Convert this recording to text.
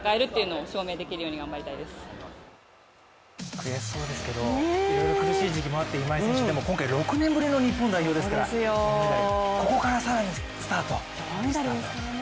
悔しそうですけれどもいろいろ苦しい時期もあって、今井選手、でも今回６年ぶりの日本代表ですからここから更にスタートしてほしいですね。